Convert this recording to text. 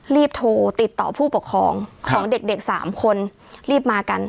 รีบโทรติดต่อผู้ปกครองของเด็กเด็กสามคนรีบมากัน